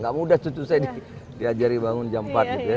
gak mudah cucu saya diajari bangun jam empat gitu ya